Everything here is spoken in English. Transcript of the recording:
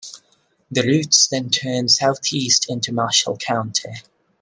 The routes then turn southeast into Marshall County.